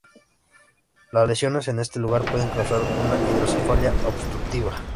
Las lesiones en este lugar pueden causar una hidrocefalia obstructiva.